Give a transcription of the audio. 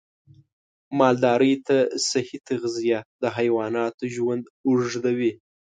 مالدارۍ ته صحي تغذیه د حیواناتو ژوند اوږدوي.